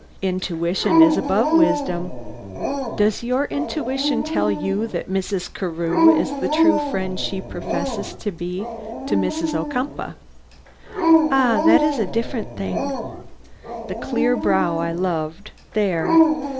"Intuition is above wisdom. Does your intuition tell you that Mrs. Carew is the true friend she professes to be to Mrs. Ocumpaugh?" "Ah, that is a different thing!" The clear brow I loved there!